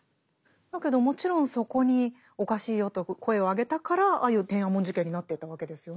だけどもちろんそこにおかしいよと声を上げたからああいう天安門事件になっていったわけですよね。